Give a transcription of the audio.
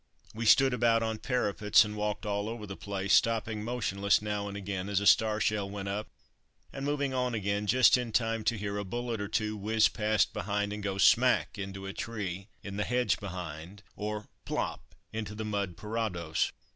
We stood about on parapets, and walked all over the place, stopping motionless now and again as a star shell went up, and moving on again just in time to hear a bullet or two whizz past behind and go "smack" into a tree in the hedge behind, or "plop" into the mud parados.